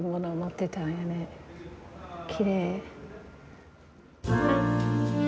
きれい。